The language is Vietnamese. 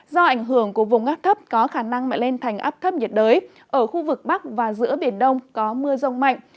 do ảnh hưởng của vùng áp thấp có khả năng mạnh lên thành áp thấp nhiệt đới ở khu vực bắc và giữa biển đông có mưa rông mạnh